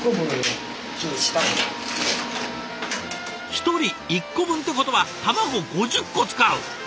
１人１個分ってことは卵５０個使う！？